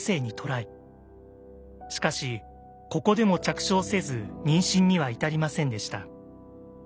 しかしここでも着床せず妊娠には至りませんでした。